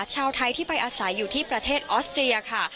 ชาวไทยที่ไปอาศัยอยู่ที่ประเทศออสเตรียค่ะ